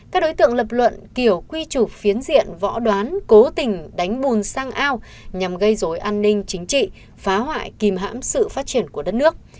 các đối tượng lập luận kiểu quy trục phiến diện võ đoán cố tình đánh bùn sang ao nhằm gây dối an ninh chính trị phá hoại kìm hãm sự phát triển của đất nước